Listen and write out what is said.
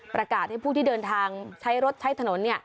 ประกาศให้ผู้ที่เดินทางใช้รถใช้ถนน